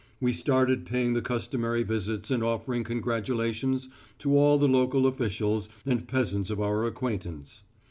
We started paying the customary visits and offering congratulations to all the local officials and peasants of our acquaintance.